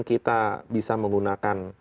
kita bisa menggunakan